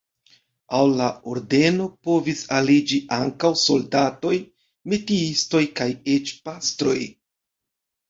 Al la ordeno povis aliĝi ankaŭ soldatoj, metiistoj kaj eĉ pastroj.